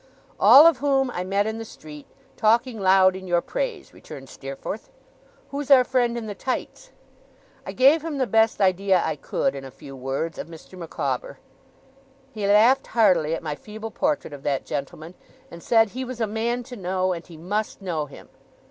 'All of whom I met in the street, talking loud in your praise,' returned Steerforth. 'Who's our friend in the tights?' I gave him the best idea I could, in a few words, of Mr. Micawber. He laughed heartily at my feeble portrait of that gentleman, and said he was a man to know, and he must know him.